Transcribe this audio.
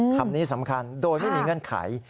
คำนี้สำคัญโดยไม่มีเงื่อนไข